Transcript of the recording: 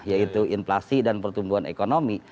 yaitu inflasi dan pertumbuhan ekonomi